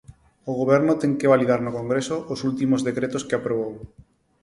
O Goberno ten que validar no Congreso os últimos decretos que aprobou.